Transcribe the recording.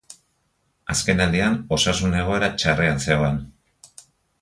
Azkenaldian osasun egoera txarrean zegoen.